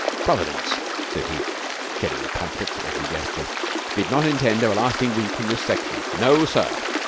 'Providence,' said he, shedding pamphlets at every gesture, 'did not intend everlasting Wheat in this section. No, sir!